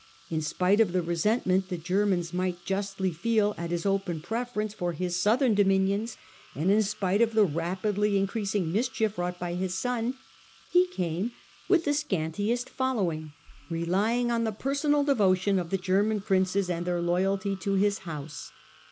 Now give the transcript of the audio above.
In spite of the resentment the Germans might justly feel at his open preference for his southern dominions, and in spite of the rapidly increasing mischief wrought by his son, he came with the scantiest following, relying on the personal devotion of the German Princes and their loyalty to his house.